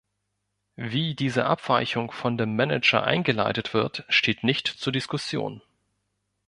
Wie diese Abweichung von dem Manager eingeleitet wird, steht nicht zur Diskussion.